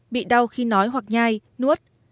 bị đau khi nói hoặc nhai nuốt